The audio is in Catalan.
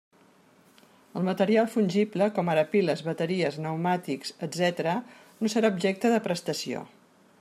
El material fungible, com ara piles, bateries, pneumàtics, etcètera, no serà objecte de prestació.